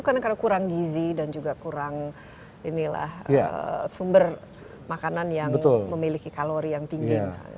karena kurang gizi dan juga kurang sumber makanan yang memiliki kalori yang tinggi